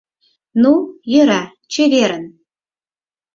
Ну, йӧра, чеверын!